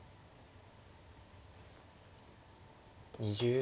２０秒。